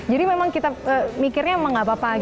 jadi memang kita mikirnya memang tidak apa apa gitu ya